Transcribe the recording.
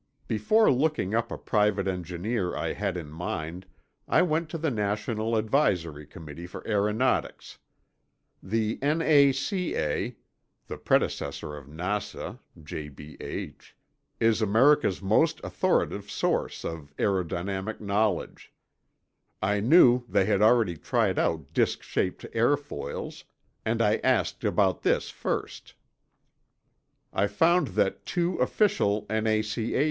Before looking up a private engineer I had in mind, I went to the National Advisory Committee for Aeronautics. The N.A.C.A. is America's most authoritative source of aerodynamic knowledge. I knew they had already tried out disk shaped airfoils, and I asked about this first. I found that two official N.A.C.A.